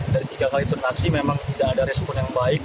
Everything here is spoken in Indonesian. dari tiga kali tunaksi memang tidak ada respon yang baik